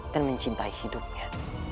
dan mencintai hidupmu